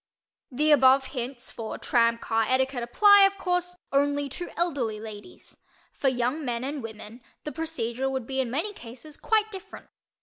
The above hints for "tram" car etiquette apply, of course, only to elderly ladies. For young men and women the procedure would be in many cases quite different.